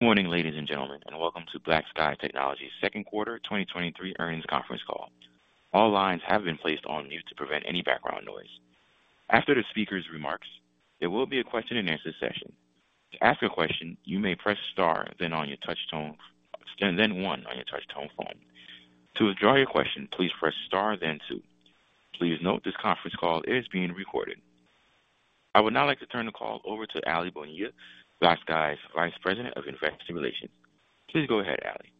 Good morning, ladies and gentlemen, and welcome to BlackSky Technology's second quarter 2023 earnings conference call. All lines have been placed on mute to prevent any background noise. After the speaker's remarks, there will be a question-and-answer session. To ask a question, you may press star then on your touch tone, and then one on your touch tone phone. To withdraw your question, please press star then two. Please note, this conference call is being recorded. I would now like to turn the call over to Aly Bonilla, BlackSky's Vice President of Investor Relations. Please go ahead, Aly.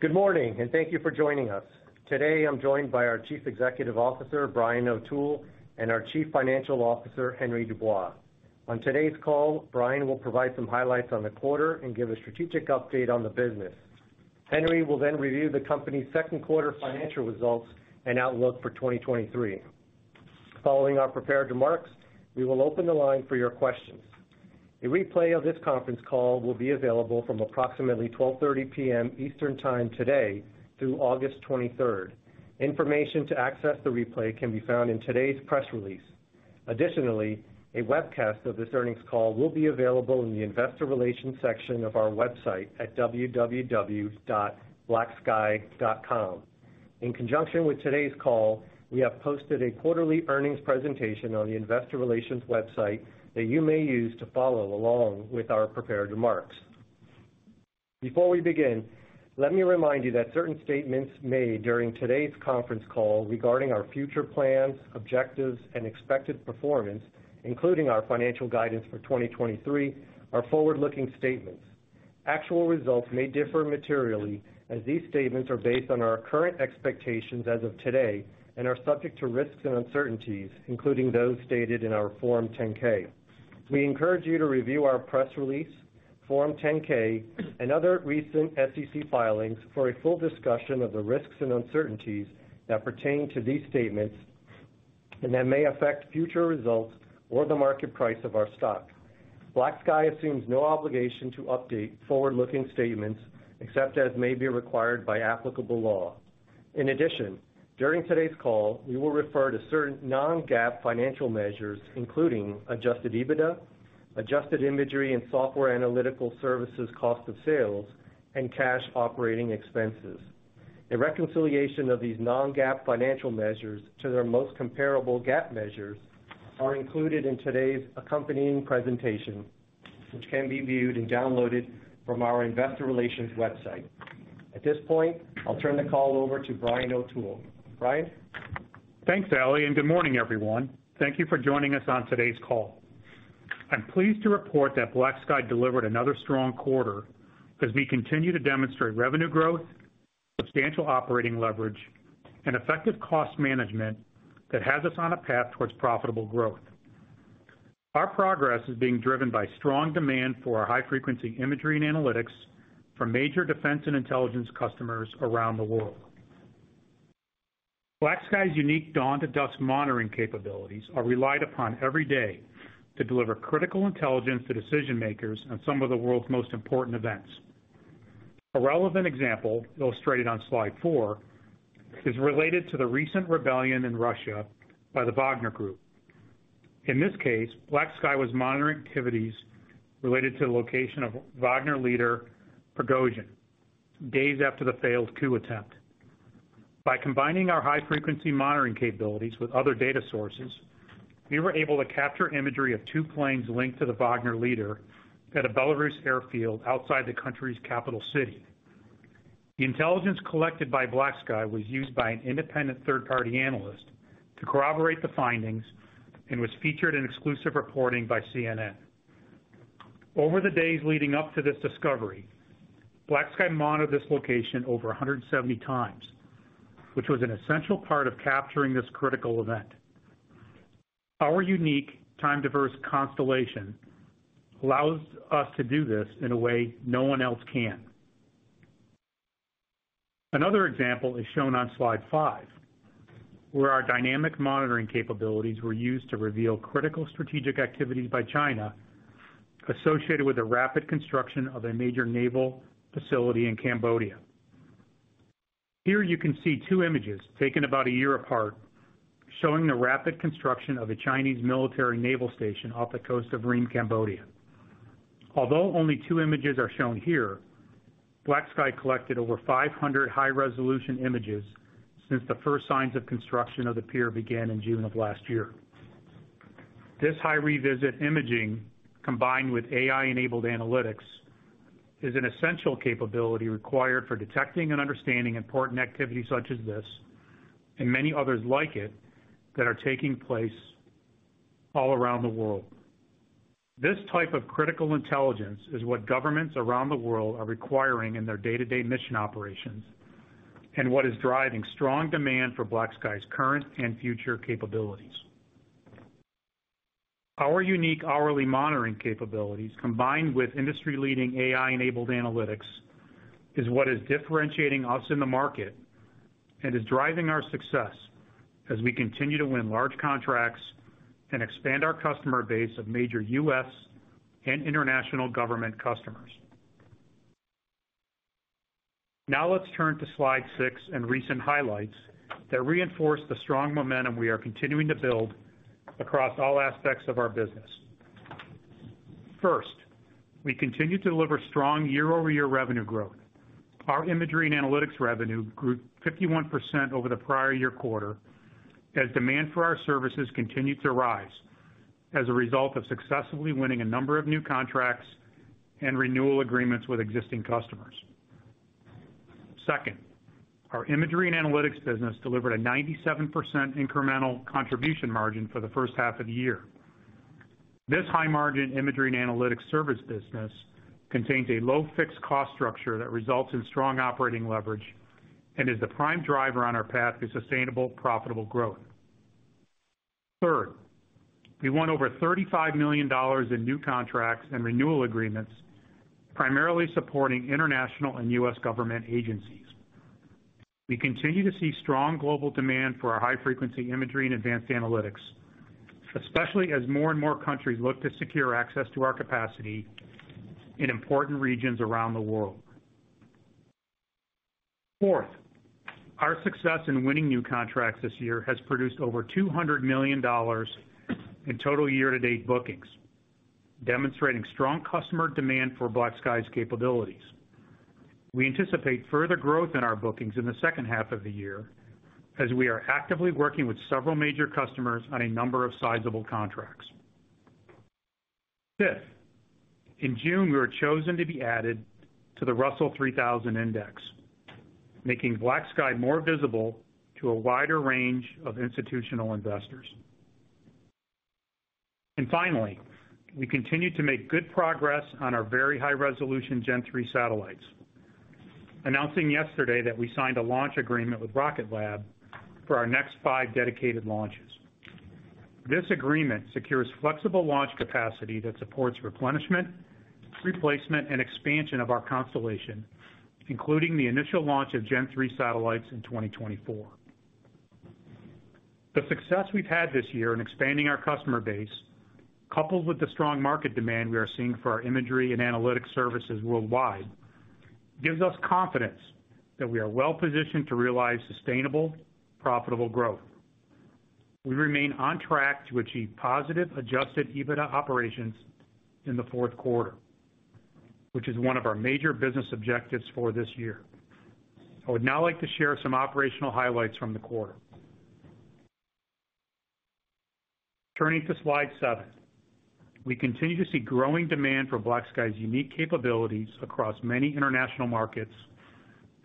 Good morning, and thank you for joining us. Today, I'm joined by our Chief Executive Officer, Brian O'Toole, and our Chief Financial Officer, Henry Dubois. On today's call, Brian will provide some highlights on the quarter and give a strategic update on the business. Henry will review the company's second quarter financial results and outlook for 2023. Following our prepared remarks, we will open the line for your questions. A replay of this conference call will be available from approximately 12:30 P.M. Eastern Time today through August 23rd. Information to access the replay can be found in today's press release. A webcast of this earnings call will be available in the investor relations section of our website at www.blacksky.com. In conjunction with today's call, we have posted a quarterly earnings presentation on the investor relations website that you may use to follow along with our prepared remarks. Before we begin, let me remind you that certain statements made during today's conference call regarding our future plans, objectives, and expected performance, including our financial guidance for 2023, are forward-looking statements. Actual results may differ materially, as these statements are based on our current expectations as of today and are subject to risks and uncertainties, including those stated in our Form 10-K. We encourage you to review our press release, Form 10-K, and other recent SEC filings for a full discussion of the risks and uncertainties that pertain to these statements and that may affect future results or the market price of our stock. BlackSky assumes no obligation to update forward-looking statements except as may be required by applicable law. In addition, during today's call, we will refer to certain non-GAAP financial measures, including Adjusted EBITDA, adjusted imagery and software analytical services cost of sales, and cash operating expenses. A reconciliation of these non-GAAP financial measures to their most comparable GAAP measures are included in today's accompanying presentation, which can be viewed and downloaded from our investor relations website. At this point, I'll turn the call over to Brian O'Toole. Brian? Thanks, Aly, and good morning, everyone. Thank you for joining us on today's call. I'm pleased to report that BlackSky delivered another strong quarter as we continue to demonstrate revenue growth, substantial operating leverage, and effective cost management that has us on a path towards profitable growth. Our progress is being driven by strong demand for our high-frequency imagery and analytics from major defense and intelligence customers around the world. BlackSky's unique dawn-to-dusk monitoring capabilities are relied upon every day to deliver critical intelligence to decision-makers on some of the world's most important events. A relevant example, illustrated on slide four, is related to the recent rebellion in Russia by the Wagner Group. In this case, BlackSky was monitoring activities related to the location of Wagner leader, Prigozhin, days after the failed coup attempt. By combining our high-frequency monitoring capabilities with other data sources, we were able to capture imagery of two planes linked to the Wagner leader at a Belarus airfield outside the country's capital city. The intelligence collected by BlackSky was used by an independent third-party analyst to corroborate the findings and was featured in exclusive reporting by CNN. Over the days leading up to this discovery, BlackSky monitored this location over 170 times, which was an essential part of capturing this critical event. Our unique time-diverse constellation allows us to do this in a way no one else can. Another example is shown on slide 5, where our dynamic monitoring capabilities were used to reveal critical strategic activities by China associated with the rapid construction of a major naval facility in Cambodia. Here you can see 2 images taken about 1 year apart, showing the rapid construction of a Chinese military naval station off the coast of Ream, Cambodia. Although only 2 images are shown here, BlackSky collected over 500 high-resolution images since the first signs of construction of the pier began in June of last year. This high revisit imaging, combined with AI-enabled analytics, is an essential capability required for detecting and understanding important activities such as this and many others like it, that are taking place all around the world. This type of critical intelligence is what governments around the world are requiring in their day-to-day mission operations and what is driving strong demand for BlackSky's current and future capabilities. Our unique hourly monitoring capabilities, combined with industry-leading AI-enabled analytics, is what is differentiating us in the market and is driving our success as we continue to win large contracts and expand our customer base of major U.S. and international government customers. Now let's turn to slide six and recent highlights that reinforce the strong momentum we are continuing to build across all aspects of our business. First, we continue to deliver strong year-over-year revenue growth. Our imagery and analytics revenue grew 51% over the prior year quarter, as demand for our services continued to rise as a result of successfully winning a number of new contracts and renewal agreements with existing customers. Second, our imagery and analytics business delivered a 97% incremental contribution margin for the first half of the year. This high-margin imagery and analytics service business contains a low fixed cost structure that results in strong operating leverage and is the prime driver on our path to sustainable, profitable growth. Third, we won over $35 million in new contracts and renewal agreements, primarily supporting international and U.S. government agencies. We continue to see strong global demand for our high-frequency imagery and advanced analytics, especially as more and more countries look to secure access to our capacity in important regions around the world. Fourth, our success in winning new contracts this year has produced over $200 million in total year-to-date bookings, demonstrating strong customer demand for BlackSky's capabilities. We anticipate further growth in our bookings in the second half of the year as we are actively working with several major customers on a number of sizable contracts. Fifth, in June, we were chosen to be added to the Russell 3000 Index, making BlackSky more visible to a wider range of institutional investors. Finally, we continue to make good progress on our very high-resolution Gen-3 satellites, announcing yesterday that we signed a launch agreement with Rocket Lab for our next five dedicated launches. This agreement secures flexible launch capacity that supports replenishment, replacement, and expansion of our constellation, including the initial launch of Gen-3 satellites in 2024. The success we've had this year in expanding our customer base, coupled with the strong market demand we are seeing for our imagery and analytics services worldwide, gives us confidence that we are well positioned to realize sustainable, profitable growth. We remain on track to achieve positive Adjusted EBITDA operations in the fourth quarter, which is one of our major business objectives for this year. I would now like to share some operational highlights from the quarter. Turning to slide 7. We continue to see growing demand for BlackSky's unique capabilities across many international markets,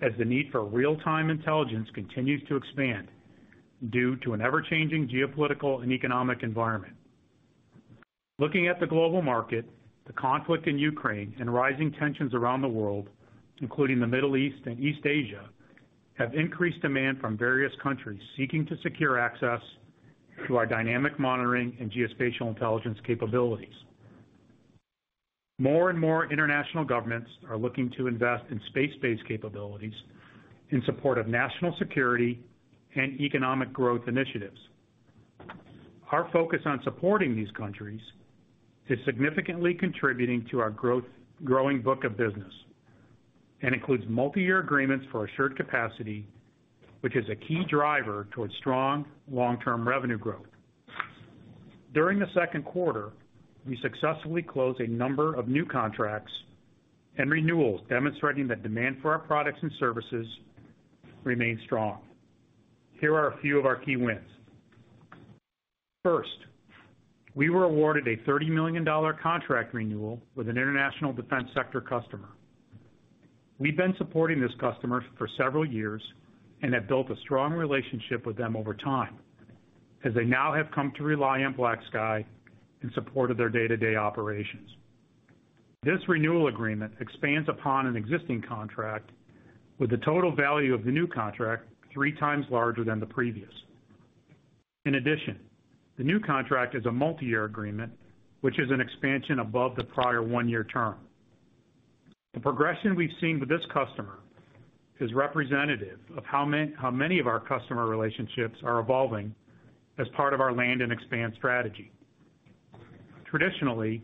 as the need for real-time intelligence continues to expand due to an ever-changing geopolitical and economic environment. Looking at the global market, the conflict in Ukraine and rising tensions around the world, including the Middle East and East Asia, have increased demand from various countries seeking to secure access to our dynamic monitoring and geospatial intelligence capabilities. More and more international governments are looking to invest in space-based capabilities in support of national security and economic growth initiatives. Our focus on supporting these countries is significantly contributing to our growing book of business and includes multiyear agreements for assured capacity, which is a key driver towards strong, long-term revenue growth. During the second quarter, we successfully closed a number of new contracts and renewals, demonstrating that demand for our products and services remains strong. Here are a few of our key wins. First, we were awarded a $30 million contract renewal with an international defense sector customer. We've been supporting this customer for several years and have built a strong relationship with them over time, as they now have come to rely on BlackSky in support of their day-to-day operations. This renewal agreement expands upon an existing contract with the total value of the new contract 3 times larger than the previous. In addition, the new contract is a multiyear agreement, which is an expansion above the prior one-year term. The progression we've seen with this customer is representative of how many of our customer relationships are evolving as part of our land and expand strategy. Traditionally,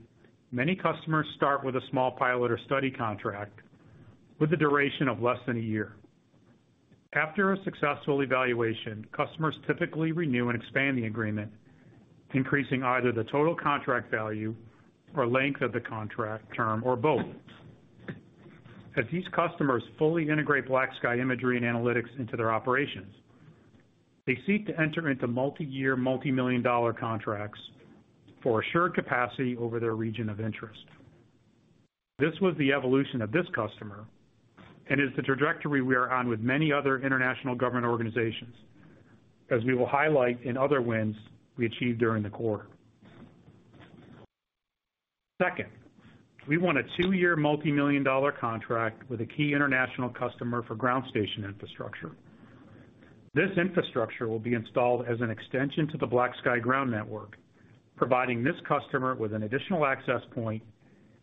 many customers start with a small pilot or study contract with a duration of less than a year. After a successful evaluation, customers typically renew and expand the agreement, increasing either the total contract value or length of the contract term or both. As these customers fully integrate BlackSky imagery and analytics into their operations, they seek to enter into multiyear, multimillion-dollar contracts for assured capacity over their region of interest. This was the evolution of this customer and is the trajectory we are on with many other international government organizations, as we will highlight in other wins we achieved during the quarter. Second, we won a two-year, multimillion-dollar contract with a key international customer for ground station infrastructure. This infrastructure will be installed as an extension to the BlackSky ground network, providing this customer with an additional access point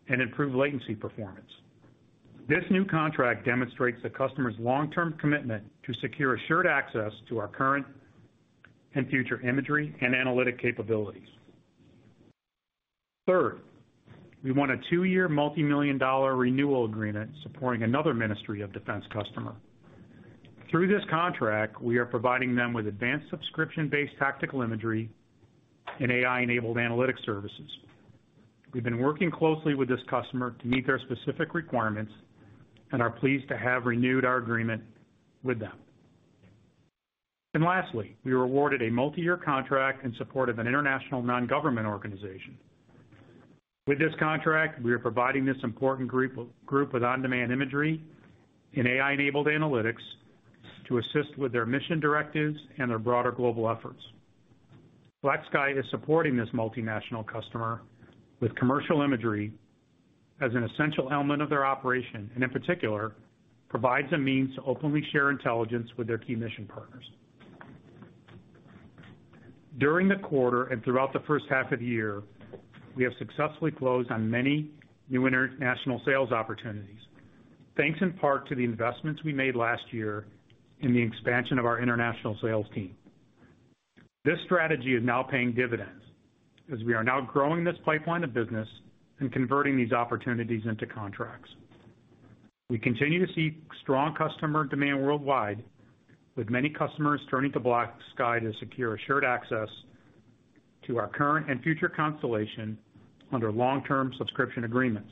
and improved latency performance. This new contract demonstrates the customer's long-term commitment to secure assured access to our current and future imagery and analytic capabilities. Third, we won a two-year multimillion-dollar renewal agreement supporting another Ministry of Defense customer. Through this contract, we are providing them with advanced subscription-based tactical imagery and AI-enabled analytics services. We've been working closely with this customer to meet their specific requirements, and are pleased to have renewed our agreement with them. Lastly, we were awarded a multi-year contract in support of an international non-government organization. With this contract, we are providing this important group with on-demand imagery and AI-enabled analytics to assist with their mission directives and their broader global efforts. BlackSky is supporting this multinational customer with commercial imagery as an essential element of their operation, and in particular, provides a means to openly share intelligence with their key mission partners. During the quarter and throughout the first half of the year, we have successfully closed on many new international sales opportunities, thanks in part to the investments we made last year in the expansion of our international sales team. This strategy is now paying dividends, as we are now growing this pipeline of business and converting these opportunities into contracts. We continue to see strong customer demand worldwide, with many customers turning to BlackSky to secure assured access to our current and future constellation under long-term subscription agreements.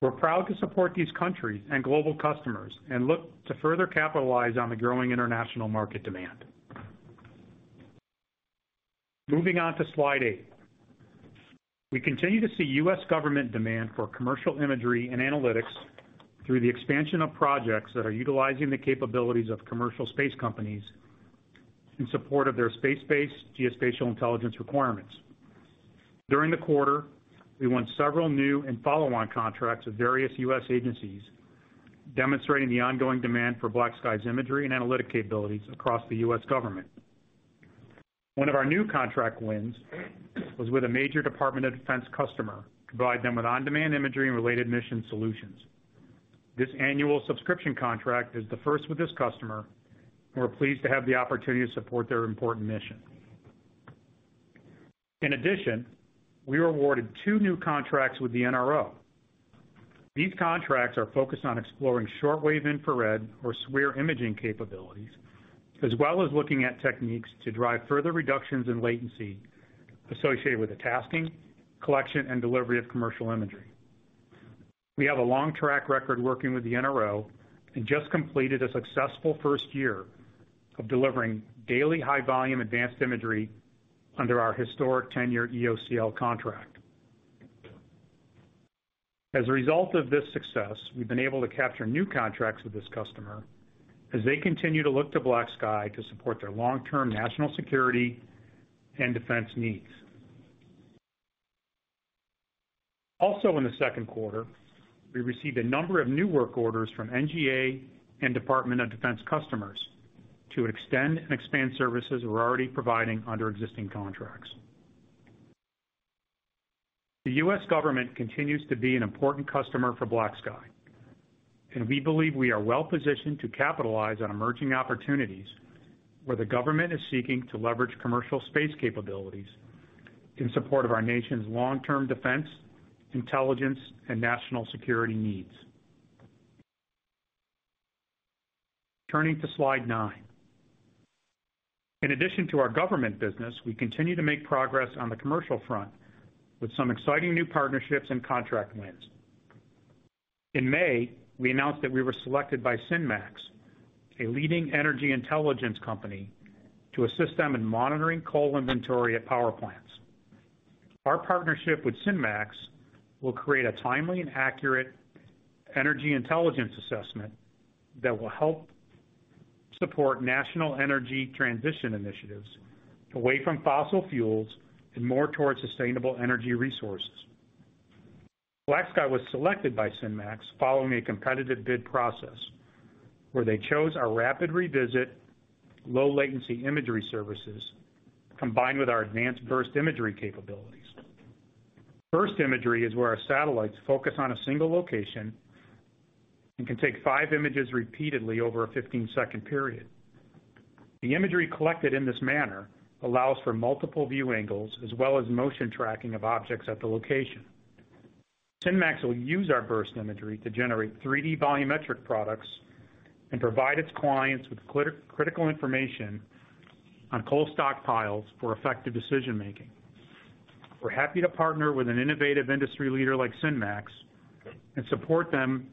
We're proud to support these countries and global customers, and look to further capitalize on the growing international market demand. Moving on to slide 8. We continue to see U.S. government demand for commercial imagery and analytics through the expansion of projects that are utilizing the capabilities of commercial space companies in support of their space-based geospatial intelligence requirements. During the quarter, we won several new and follow-on contracts with various U.S. agencies, demonstrating the ongoing demand for BlackSky's imagery and analytic capabilities across the U.S. government. One of our new contract wins was with a major Department of Defense customer, to provide them with on-demand imagery and related mission solutions. This annual subscription contract is the first with this customer, and we're pleased to have the opportunity to support their important mission. In addition, we were awarded 2 new contracts with the NRO. These contracts are focused on exploring shortwave infrared, or SWIR imaging capabilities, as well as looking at techniques to drive further reductions in latency associated with the tasking, collection, and delivery of commercial imagery. We have a long track record working with the NRO, and just completed a successful first year of delivering daily high-volume advanced imagery under our historic 10-year EOCL contract. As a result of this success, we've been able to capture new contracts with this customer as they continue to look to BlackSky to support their long-term national security and defense needs. Also in the second quarter, we received a number of new work orders from NGA and Department of Defense customers to extend and expand services we're already providing under existing contracts. The U.S. government continues to be an important customer for BlackSky, and we believe we are well positioned to capitalize on emerging opportunities where the government is seeking to leverage commercial space capabilities in support of our nation's long-term defense, intelligence, and national security needs. Turning to slide 9. In addition to our government business, we continue to make progress on the commercial front with some exciting new partnerships and contract wins. In May, we announced that we were selected by SynMax, a leading energy intelligence company, to assist them in monitoring coal inventory at power plants. Our partnership with SynMax will create a timely and accurate energy intelligence assessment that will help support national energy transition initiatives away from fossil fuels and more towards sustainable energy resources. BlackSky was selected by SynMax following a competitive bid process, where they chose our rapid revisit, low latency imagery services, combined with our advanced burst imagery capabilities. Burst imagery is where our satellites focus on a single location and can take five images repeatedly over a 15-second period. The imagery collected in this manner allows for multiple view angles as well as motion tracking of objects at the location. SynMax will use our burst imagery to generate 3D volumetric products and provide its clients with critical information on coal stockpiles for effective decision-making. We're happy to partner with an innovative industry leader like SynMax and support them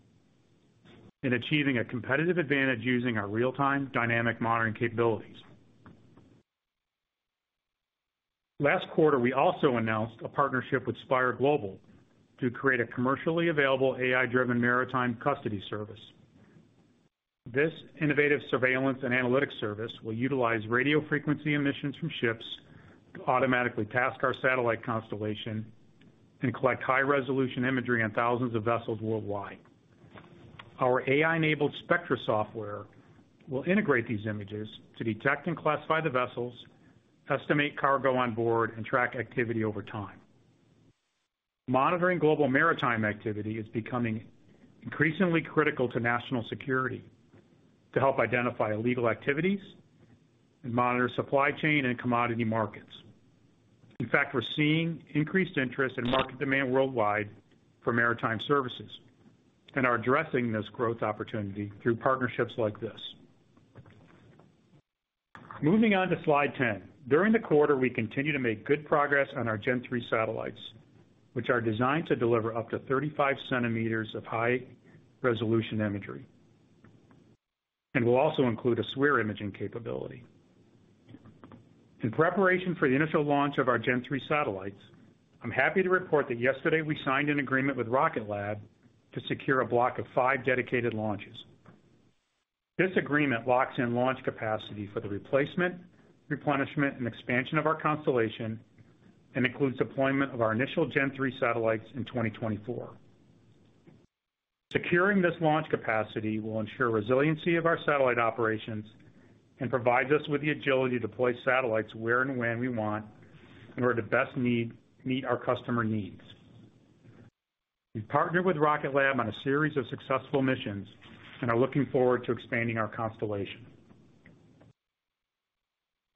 in achieving a competitive advantage using our real-time dynamic monitoring capabilities. Last quarter, we also announced a partnership with Spire Global to create a commercially available AI-driven maritime custody service. This innovative surveillance and analytics service will utilize radio frequency emissions from ships to automatically task our satellite constellation and collect high-resolution imagery on thousands of vessels worldwide. Our AI-enabled Spectra software will integrate these images to detect and classify the vessels, estimate cargo on board, and track activity over time. Monitoring global maritime activity is becoming increasingly critical to national security to help identify illegal activities and monitor supply chain and commodity markets. In fact, we're seeing increased interest in market demand worldwide for maritime services, and are addressing this growth opportunity through partnerships like this. Moving on to slide 10. During the quarter, we continued to make good progress on our Gen-3 satellites, which are designed to deliver up to 35 cm of high resolution imagery, and will also include a SWIR imaging capability. In preparation for the initial launch of our Gen-3 satellites, I'm happy to report that yesterday, we signed an agreement with Rocket Lab to secure a block of 5 dedicated launches. This agreement locks in launch capacity for the replacement, replenishment, and expansion of our constellation, and includes deployment of our initial Gen-3 satellites in 2024. Securing this launch capacity will ensure resiliency of our satellite operations and provides us with the agility to deploy satellites where and when we want, in order to best meet our customer needs. We've partnered with Rocket Lab on a series of successful missions, and are looking forward to expanding our constellation.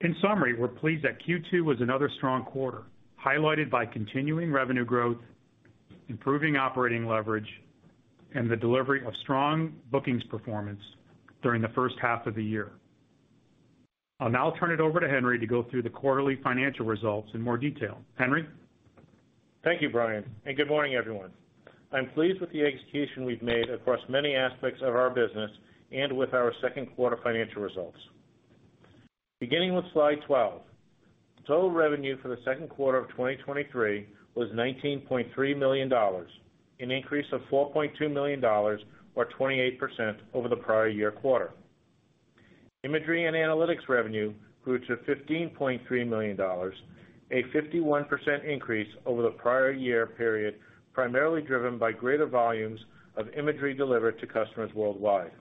In summary, we're pleased that Q2 was another strong quarter, highlighted by continuing revenue growth, improving operating leverage, and the delivery of strong bookings performance during the first half of the year. I'll now turn it over to Henry to go through the quarterly financial results in more detail. Henry? Thank you, Brian. Good morning, everyone. I'm pleased with the execution we've made across many aspects of our business and with our second quarter financial results. Beginning with Slide 12, total revenue for the second quarter of 2023 was $19.3 million, an increase of $4.2 million or 28% over the prior year quarter. Imagery and analytics revenue grew to $15.3 million, a 51% increase over the prior year period, primarily driven by greater volumes of imagery delivered to customers worldwide.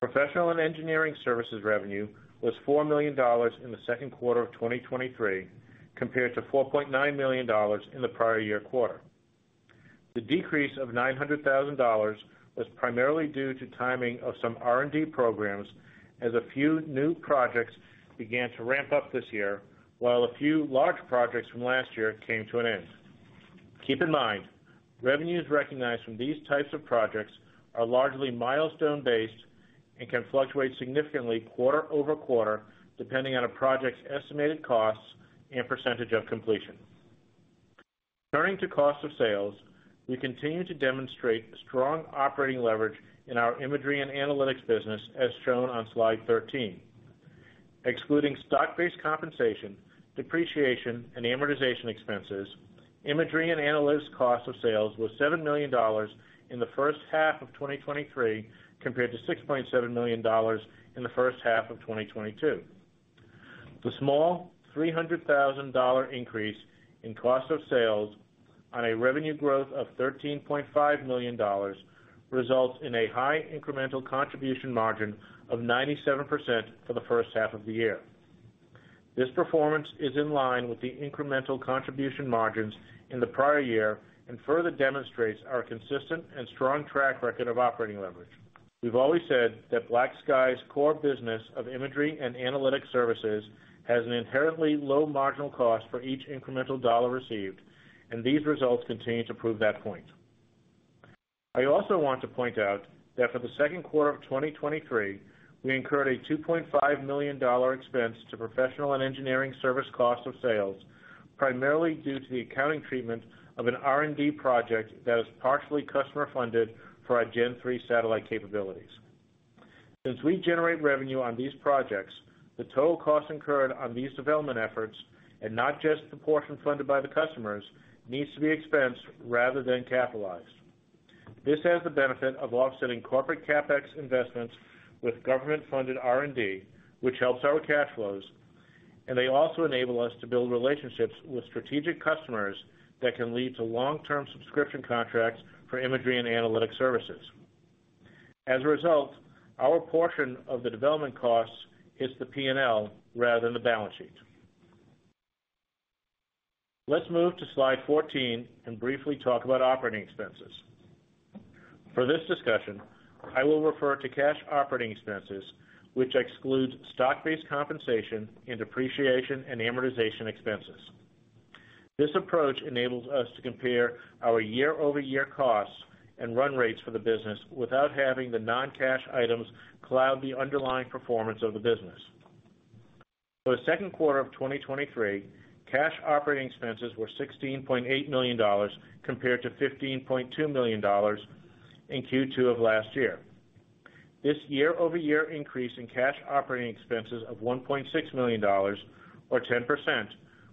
Professional and engineering services revenue was $4 million in the second quarter of 2023, compared to $4.9 million in the prior year quarter. The decrease of $900,000 was primarily due to timing of some R&D programs, as a few new projects began to ramp up this year, while a few large projects from last year came to an end. Keep in mind, revenues recognized from these types of projects are largely milestone-based and can fluctuate significantly quarter over quarter, depending on a project's estimated costs and percentage of completion. Turning to cost of sales, we continue to demonstrate strong operating leverage in our imagery and analytics business, as shown on Slide 13. Excluding stock-based compensation, depreciation, and amortization expenses, imagery and analytics cost of sales was $7 million in the first half of 2023, compared to $6.7 million in the first half of 2022. The small $300,000 increase in cost of sales on a revenue growth of $13.5 million results in a high incremental contribution margin of 97% for the first half of the year. This performance is in line with the incremental contribution margins in the prior year, and further demonstrates our consistent and strong track record of operating leverage. We've always said that BlackSky's core business of imagery and analytic services has an inherently low marginal cost for each incremental dollar received, and these results continue to prove that point. I also want to point out that for the second quarter of 2023, we incurred a $2.5 million expense to professional and engineering service cost of sales, primarily due to the accounting treatment of an R&D project that is partially customer-funded for our Gen-3 satellite capabilities. Since we generate revenue on these projects, the total costs incurred on these development efforts, and not just the portion funded by the customers, needs to be expensed rather than capitalized. This has the benefit of offsetting corporate CapEx investments with government-funded R&D, which helps our cash flows. They also enable us to build relationships with strategic customers that can lead to long-term subscription contracts for imagery and analytic services. As a result, our portion of the development costs hits the P&L rather than the balance sheet. Let's move to Slide 14 and briefly talk about operating expenses. For this discussion, I will refer to cash operating expenses, which excludes stock-based compensation and depreciation and amortization expenses. This approach enables us to compare our year-over-year costs and run rates for the business without having the non-cash items cloud the underlying performance of the business. For the second quarter of 2023, cash operating expenses were $16.8 million, compared to $15.2 million in Q2 of last year. This year-over-year increase in cash operating expenses of $1.6 million, or 10%,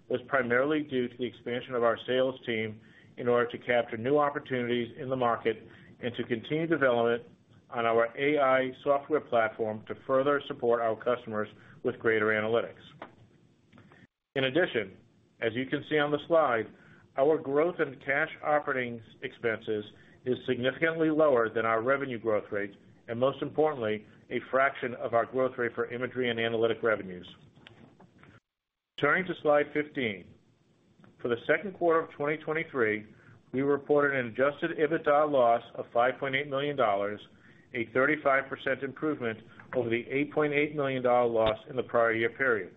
was primarily due to the expansion of our sales team in order to capture new opportunities in the market and to continue development on our AI software platform to further support our customers with greater analytics. In addition, as you can see on the slide, our growth in cash operating expenses is significantly lower than our revenue growth rate, and most importantly, a fraction of our growth rate for imagery and analytic revenues. Turning to slide 15. For the second quarter of 2023, we reported an Adjusted EBITDA loss of $5.8 million, a 35% improvement over the $8.8 million loss in the prior year period.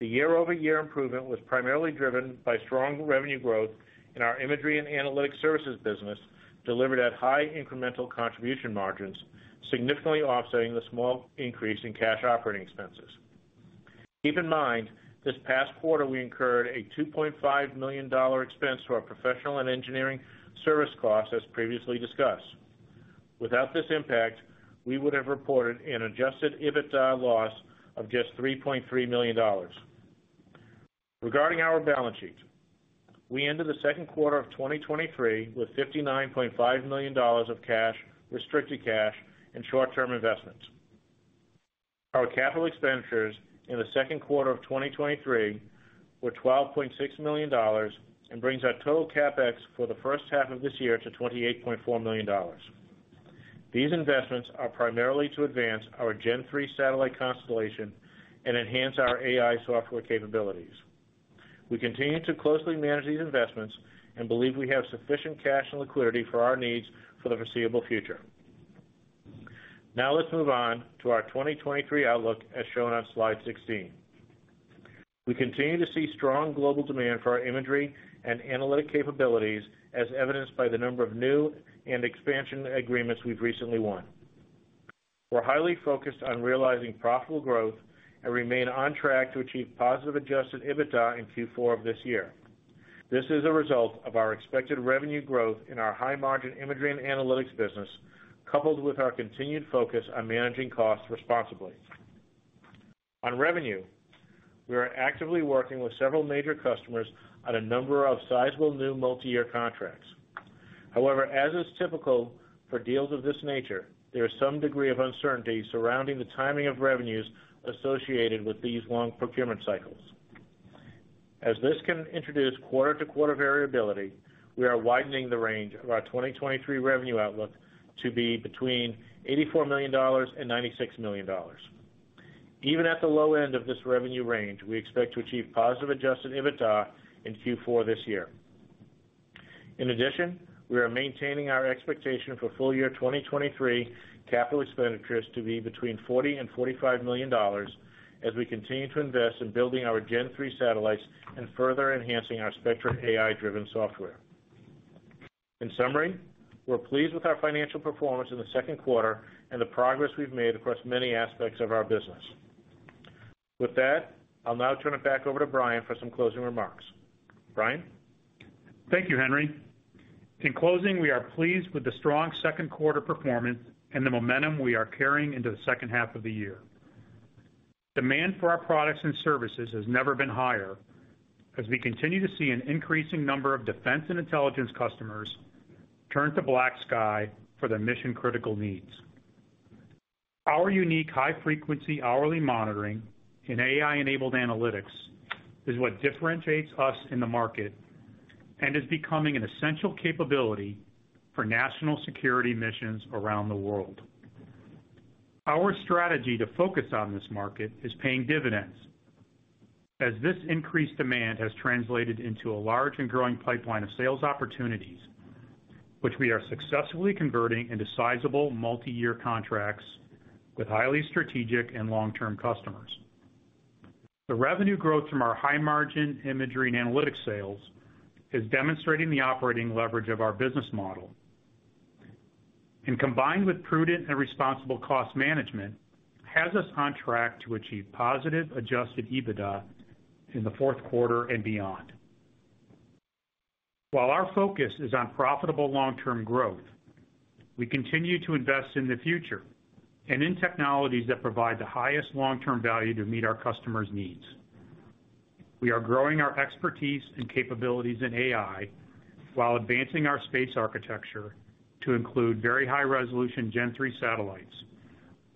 The year-over-year improvement was primarily driven by strong revenue growth in our imagery and analytics services business, delivered at high incremental contribution margins, significantly offsetting the small increase in cash operating expenses. Keep in mind, this past quarter, we incurred a $2.5 million expense to our professional and engineering service costs, as previously discussed. Without this impact, we would have reported an Adjusted EBITDA loss of just $3.3 million. Regarding our balance sheet, we ended the second quarter of 2023 with $59.5 million of cash, restricted cash, and short-term investments. Our capital expenditures in the second quarter of 2023 were $12.6 million and brings our total CapEx for the first half of this year to $28.4 million. These investments are primarily to advance our Gen-3 satellite constellation and enhance our AI software capabilities. We continue to closely manage these investments and believe we have sufficient cash and liquidity for our needs for the foreseeable future. Now, let's move on to our 2023 outlook, as shown on Slide 16. We continue to see strong global demand for our imagery and analytic capabilities, as evidenced by the number of new and expansion agreements we've recently won. We're highly focused on realizing profitable growth and remain on track to achieve positive Adjusted EBITDA in Q4 of this year. This is a result of our expected revenue growth in our high-margin imagery and analytics business, coupled with our continued focus on managing costs responsibly. On revenue, we are actively working with several major customers on a number of sizable new multiyear contracts. However, as is typical for deals of this nature, there is some degree of uncertainty surrounding the timing of revenues associated with these long procurement cycles. As this can introduce quarter-to-quarter variability, we are widening the range of our 2023 revenue outlook to be between $84 million and $96 million. Even at the low end of this revenue range, we expect to achieve positive Adjusted EBITDA in Q4 this year. In addition, we are maintaining our expectation for full year 2023 capital expenditures to be between $40 million and $45 million, as we continue to invest in building our Gen-3 satellites and further enhancing our Spectra AI-driven software. In summary, we're pleased with our financial performance in the second quarter and the progress we've made across many aspects of our business. With that, I'll now turn it back over to Brian for some closing remarks. Brian? Thank you, Henry. In closing, we are pleased with the strong second quarter performance and the momentum we are carrying into the second half of the year. Demand for our products and services has never been higher, as we continue to see an increasing number of defense and intelligence customers turn to BlackSky for their mission-critical needs. Our unique high frequency, hourly monitoring and AI-enabled analytics is what differentiates us in the market and is becoming an essential capability for national security missions around the world. Our strategy to focus on this market is paying dividends, as this increased demand has translated into a large and growing pipeline of sales opportunities, which we are successfully converting into sizable multiyear contracts with highly strategic and long-term customers. The revenue growth from our high-margin imagery and analytics sales is demonstrating the operating leverage of our business model, and combined with prudent and responsible cost management, has us on track to achieve positive Adjusted EBITDA in the fourth quarter and beyond. While our focus is on profitable long-term growth, we continue to invest in the future and in technologies that provide the highest long-term value to meet our customers' needs. We are growing our expertise and capabilities in AI while advancing our space architecture to include very high-resolution Gen-3 satellites,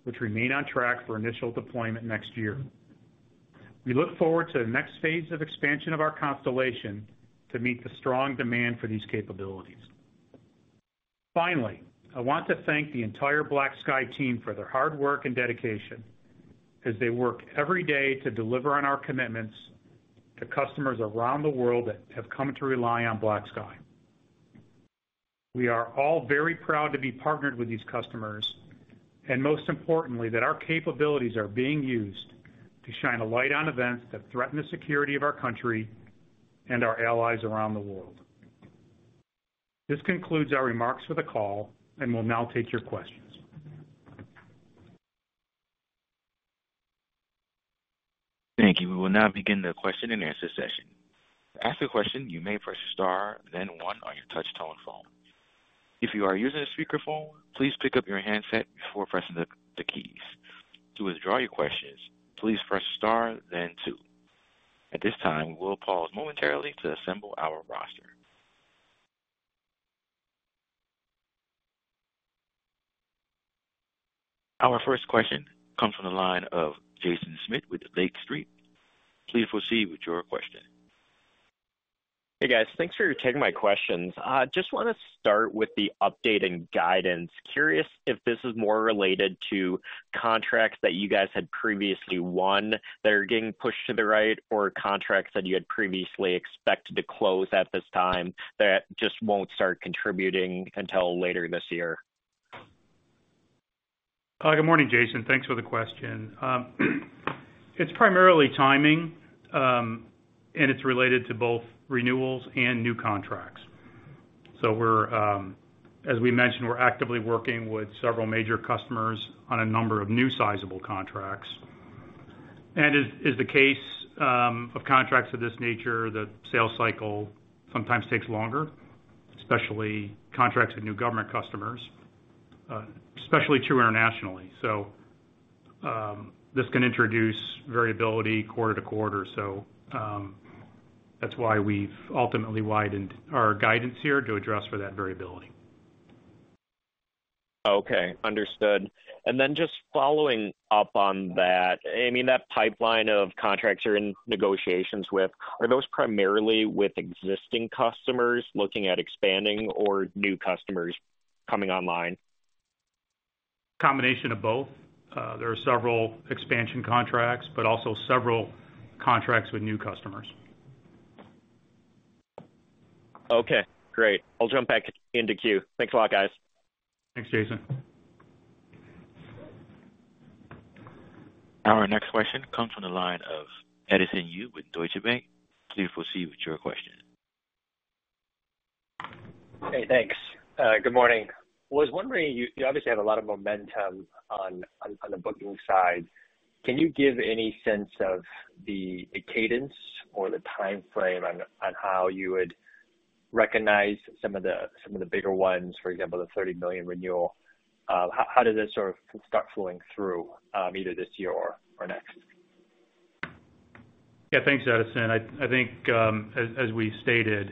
which remain on track for initial deployment next year. We look forward to the next phase of expansion of our constellation to meet the strong demand for these capabilities. Finally, I want to thank the entire BlackSky team for their hard work and dedication as they work every day to deliver on our commitments to customers around the world that have come to rely on BlackSky. We are all very proud to be partnered with these customers and, most importantly, that our capabilities are being used to shine a light on events that threaten the security of our country and our allies around the world. This concludes our remarks for the call, and we'll now take your questions. Thank you. We will now begin the question-and-answer session. To ask a question, you may press star then one on your touch-tone phone. If you are using a speakerphone, please pick up your handset before pressing the keys. To withdraw your questions, please press star then two. At this time, we'll pause momentarily to assemble our roster. Our first question comes from the line of Jaeson Schmidt with Lake Street. Please proceed with your question. Hey, guys, thanks for taking my questions. Just want to start with the update and guidance. Curious if this is more related to contracts that you guys had previously won that are getting pushed to the right, or contracts that you had previously expected to close at this time that just won't start contributing until later this year? Good morning, Jaeson. Thanks for the question. It's primarily timing, and it's related to both renewals and new contracts. We're, as we mentioned, we're actively working with several major customers on a number of new sizable contracts. As, as the case, of contracts of this nature, the sales cycle sometimes takes longer, especially contracts with new government customers, especially true internationally. This can introduce variability quarter to quarter. That's why we've ultimately widened our guidance here to address for that variability. Okay, understood. Then just following up on that, I mean, that pipeline of contracts you're in negotiations with, are those primarily with existing customers looking at expanding or new customers coming online? Combination of both. There are several expansion contracts, but also several contracts with new customers. Okay, great. I'll jump back into queue. Thanks a lot, guys. Thanks, Jaeson. Our next question comes from the line of Edison Yu with Deutsche Bank. Please proceed with your question. Hey, thanks. good morning. Was wondering, you, you obviously have a lot of momentum on, on, on the booking side. Can you give any sense of the, the cadence or the timeframe on, on how you would recognize some of the, some of the bigger ones, for example, the $30 million renewal? how, how does that sort of start flowing through, either this year or, or next? Yeah, thanks, Edison. I, I think, as, as we stated,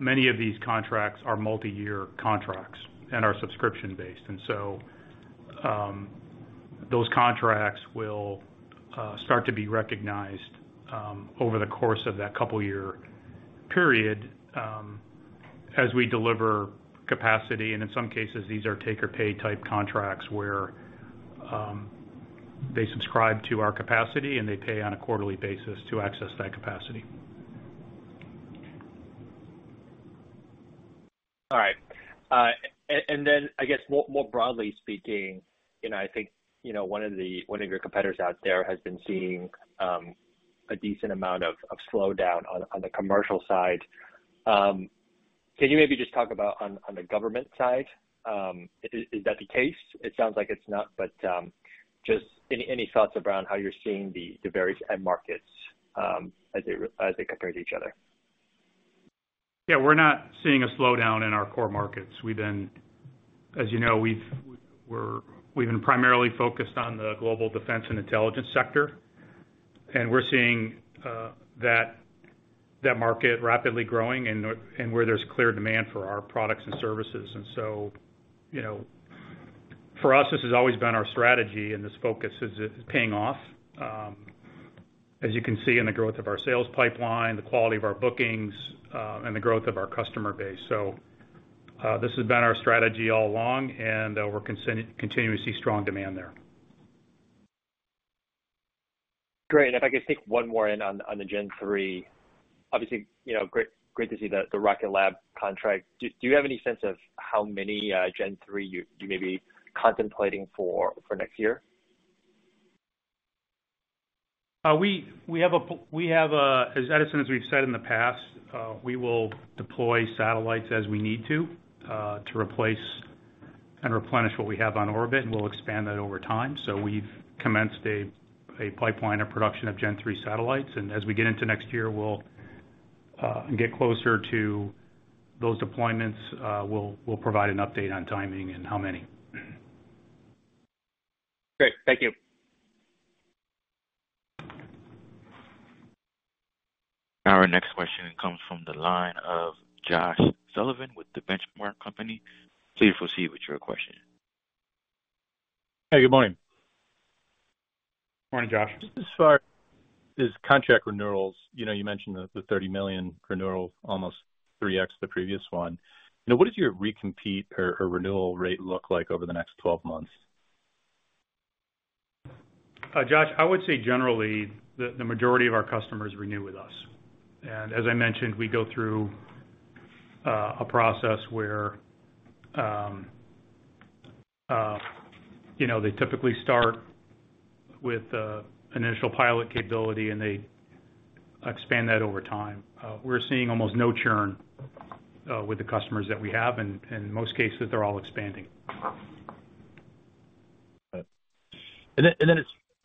many of these contracts are multi-year contracts and are subscription-based. Those contracts will start to be recognized over the course of that couple-year period, as we deliver capacity, and in some cases, these are take-or-pay type contracts, where they subscribe to our capacity, and they pay on a quarterly basis to access that capacity. All right. Then I guess more, more broadly speaking, you know, I think, you know, one of your competitors out there has been seeing a decent amount of slowdown on the commercial side. Can you maybe just talk about on the government side, is, is that the case? It sounds like it's not, but, just any, any thoughts around how you're seeing the various end markets, as they compare to each other? Yeah, we're not seeing a slowdown in our core markets. We've been, as you know, we've been primarily focused on the global defense and intelligence sector. We're seeing that, that market rapidly growing and where there's clear demand for our products and services. You know, for us, this has always been our strategy, and this focus is paying off, as you can see in the growth of our sales pipeline, the quality of our bookings, and the growth of our customer base. This has been our strategy all along, and we're continuing to see strong demand there. Great. If I could stick one more in on, on the Gen-3. Obviously, you know, great, great to see the, the Rocket Lab contract. Do, do you have any sense of how many Gen-3 you, you may be contemplating for, for next year? We, we have a p- we have a... As Edison, as we've said in the past, we will deploy satellites as we need to, to replace and replenish what we have on orbit, and we'll expand that over time. We've commenced a, a pipeline of production of Gen-3 satellites, as we get into next year, we'll get closer to those deployments, we'll, we'll provide an update on timing and how many. Great. Thank you. Our next question comes from the line of Josh Sullivan with The Benchmark Company. Please proceed with your question. Hey, good morning. Morning, Josh. Just as far as contract renewals, you know, you mentioned the $30 million renewal, almost 3x the previous one. You know, what does your recompete or renewal rate look like over the next 12 months? Josh, I would say generally, the, the majority of our customers renew with us. As I mentioned, we go through a process where, you know, they typically start with initial pilot capability, and they expand that over time. We're seeing almost no churn with the customers that we have, and most cases, they're all expanding. Then, and then as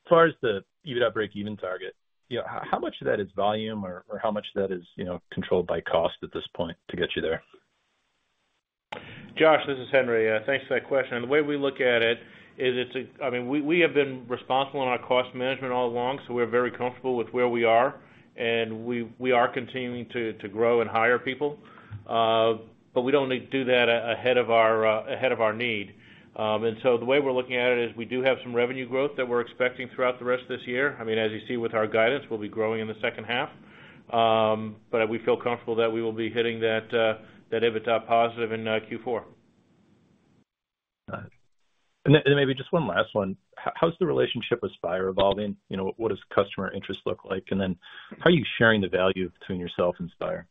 far as the EBITDA breakeven target, you know, how much of that is volume or, or how much of that is, you know, controlled by cost at this point to get you there? Josh, this is Henry. Thanks for that question. The way we look at it is it's I mean, we have been responsible on our cost management all along, so we're very comfortable with where we are, and we are continuing to grow and hire people. We don't need to do that ahead of our ahead of our need. The way we're looking at it is we do have some revenue growth that we're expecting throughout the rest of this year. I mean, as you see with our guidance, we'll be growing in the second half. We feel comfortable that we will be hitting that EBITDA positive in Q4. Got it. Maybe just one last one. How's the relationship with Spire evolving? You know, what does customer interest look like? How are you sharing the value between yourself and Spire?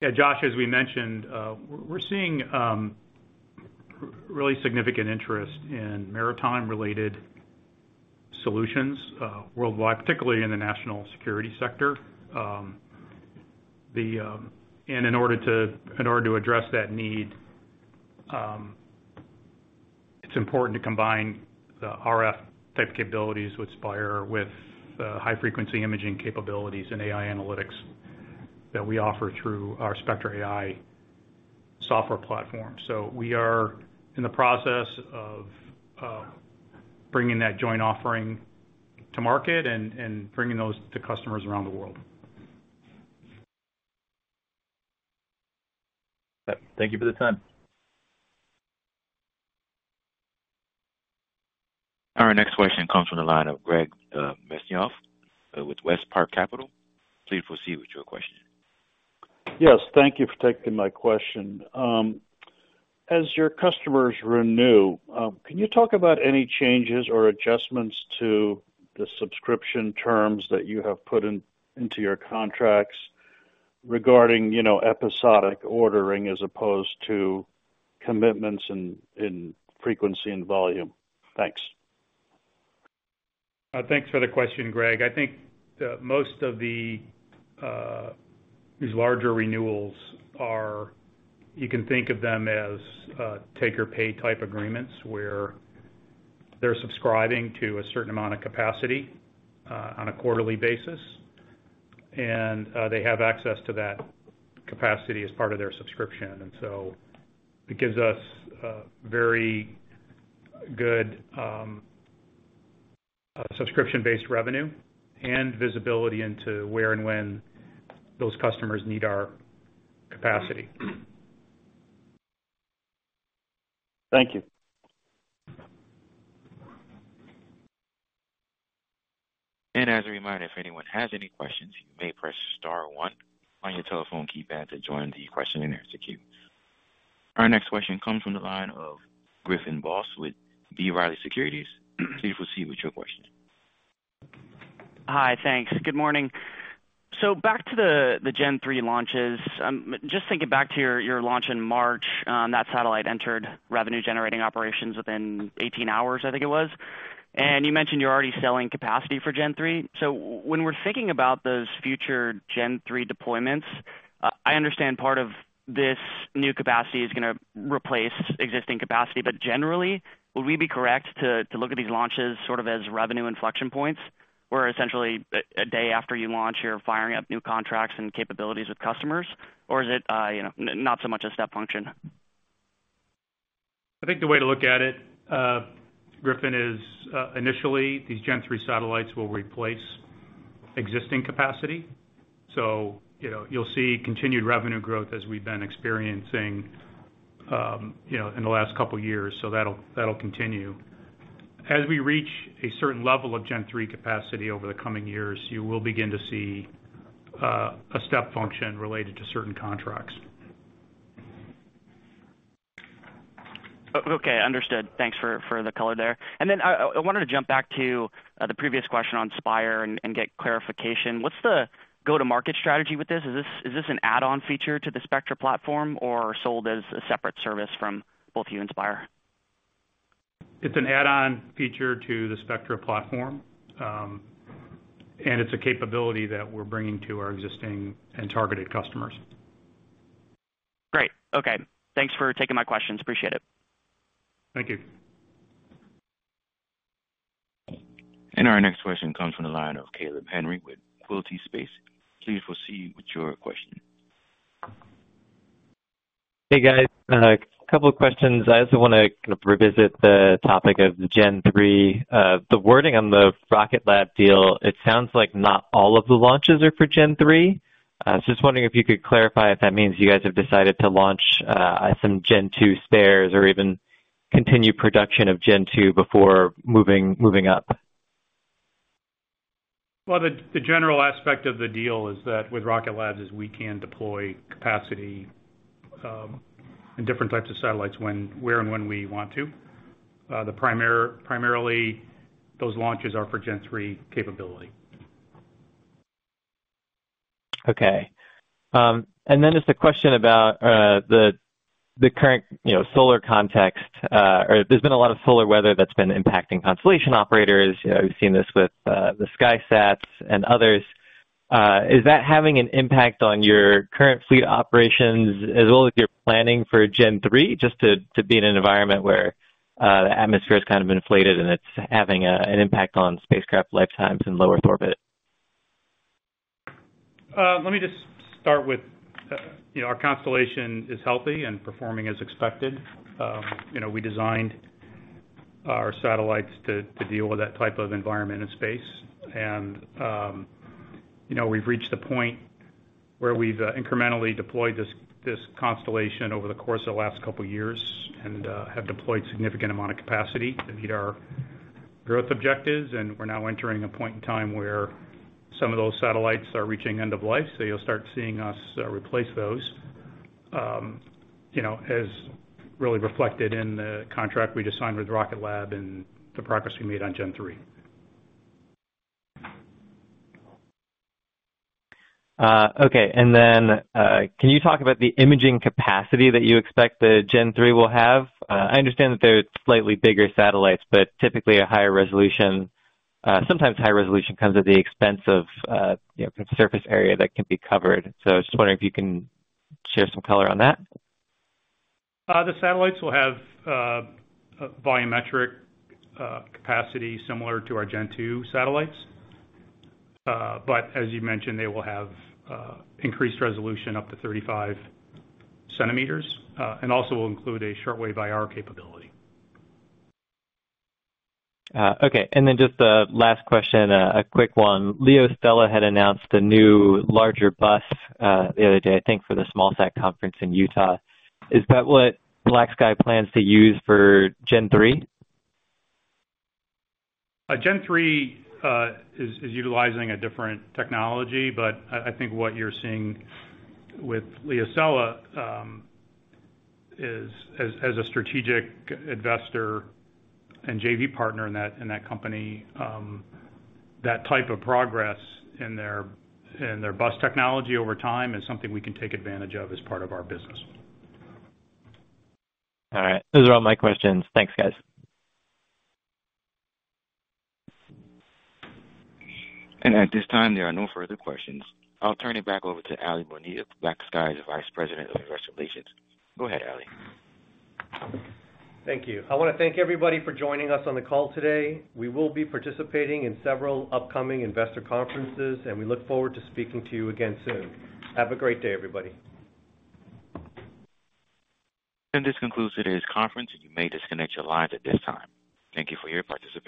Yeah, Josh, as we mentioned, we're, we're seeing really significant interest in maritime-related solutions worldwide, particularly in the national security sector. In order to, in order to address that need, it's important to combine the RF type capabilities with Spire, with the high-frequency imaging capabilities and AI analytics that we offer through our Spectra AI software platform. We are in the process of bringing that joint offering to market and bringing those to customers around the world. Thank you for the time. Our next question comes from the line of Greg Mesniaeff with WestPark Capital. Please proceed with your question. Yes, thank you for taking my question. As your customers renew, can you talk about any changes or adjustments to the subscription terms that you have put in, into your contracts regarding, you know, episodic ordering as opposed to commitments in, in frequency and volume? Thanks. Thanks for the question, Greg. I think the most of the these larger renewals are, you can think of them as take-or-pay type agreements, where they're subscribing to a certain amount of capacity on a quarterly basis, and they have access to that capacity as part of their subscription. So it gives us very good subscription-based revenue and visibility into where and when those customers need our capacity. Thank you. As a reminder, if anyone has any questions, you may press star one on your telephone keypad to join the question and answer queue. Our next question comes from the line of Griffin Boss with B. Riley Securities. Please proceed with your question. Hi. Thanks. Good morning. Back to the Gen 3 launches. Just thinking back to your launch in March, that satellite entered revenue generating operations within 18 hours, I think it was. You mentioned you're already selling capacity for Gen 3. When we're thinking about those future Gen 3 deployments, I understand part of this new capacity is gonna replace existing capacity. Generally, would we be correct to look at these launches sort of as revenue inflection points, where essentially, a day after you launch, you're firing up new contracts and capabilities with customers? Is it, you know, not so much a step function? I think the way to look at it, Griffin, is initially, these Gen-3 satellites will replace existing capacity. You know, you'll see continued revenue growth as we've been experiencing, you know, in the last couple of years. That'll, that'll continue. As we reach a certain level of Gen-3 capacity over the coming years, you will begin to see a step function related to certain contracts. Okay, understood. Thanks for the color there. Then I wanted to jump back to the previous question on Spire and get clarification. What's the go-to-market strategy with this? Is this, is this an add-on feature to the Spectra platform or sold as a separate service from both you and Spire? It's an add-on feature to the Spectra platform, and it's a capability that we're bringing to our existing and targeted customers. Great. Okay. Thanks for taking my questions. Appreciate it. Thank you. Our next question comes from the line of Caleb Henry with Quilty Space. Please proceed with your question. Hey, guys. A couple of questions. I also wanna kind of revisit the topic of the Gen-3. The wording on the Rocket Lab deal, it sounds like not all of the launches are for Gen-3. Just wondering if you could clarify if that means you guys have decided to launch, some Gen-2 spares or even continue production of Gen-2 before moving, moving up. The general aspect of the deal is that with Rocket Lab, is we can deploy capacity, in different types of satellites where and when we want to. Primarily, those launches are for Gen 3 capability. Okay. Then just a question about the current, you know, solar context. There's been a lot of solar weather that's been impacting constellation operators. You know, we've seen this with the SkySats and others. Is that having an impact on your current fleet operations as well as your planning for Gen-3, just to be in an environment where the atmosphere is kind of inflated and it's having an impact on spacecraft lifetimes in low Earth orbit? Let me just start with, you know, our constellation is healthy and performing as expected. You know, we designed our satellites to deal with that type of environment in space. You know, we've reached the point where we've incrementally deployed this constellation over the course of the last couple of years and have deployed significant amount of capacity to meet our growth objectives. We're now entering a point in time where some of those satellites are reaching end of life. You'll start seeing us replace those, you know, as really reflected in the contract we just signed with Rocket Lab and the progress we made on Gen-3. Okay. Then, can you talk about the imaging capacity that you expect the Gen-3 will have? I understand that they're slightly bigger satellites, but typically a higher resolution. Sometimes higher resolution comes at the expense of, you know, surface area that can be covered. I was just wondering if you can share some color on that. The satellites will have volumetric capacity similar to our Gen-2 satellites. As you mentioned, they will have increased resolution up to 35 centimeters and also will include a shortwave IR capability. Okay. Then just a last question, a quick one. LeoStella had announced a new, larger bus the other day, I think, for the SmallSat Conference in Utah. Is that what BlackSky plans to use for Gen-3? Gen-3, is, is utilizing a different technology, but I, I think what you're seeing with LeoStella, is as, as a strategic investor and JV partner in that, in that company, that type of progress in their, in their bus technology over time is something we can take advantage of as part of our business. All right. Those are all my questions. Thanks, guys. At this time, there are no further questions. I'll turn it back over to Aly Bonilla, BlackSky's Vice President of Investor Relations. Go ahead, Aly. Thank you. I want to thank everybody for joining us on the call today. We will be participating in several upcoming investor conferences. We look forward to speaking to you again soon. Have a great day, everybody. This concludes today's conference. You may disconnect your lines at this time. Thank you for your participation.